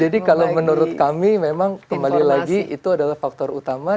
jadi kalau menurut kami memang kembali lagi itu adalah faktor utama